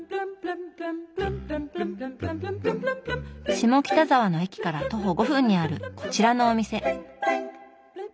下北沢の駅から徒歩５分にあるこちらのお店。